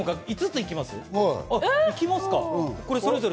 ５つ行きます？